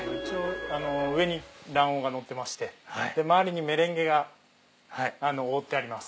上に卵黄がのってまして周りにメレンゲが覆ってます。